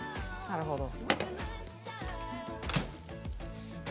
なるほど。